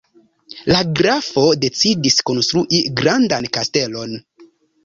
La grafo decidis konstrui grandan kastelon.